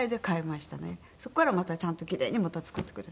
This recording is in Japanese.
そこからちゃんとキレイにまた作ってくれて。